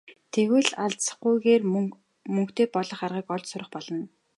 Тэгвэл алзахгүйгээр мөнгөтэй болох аргыг олж сурах болно.